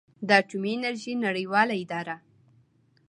د اټومي انرژۍ نړیواله اداره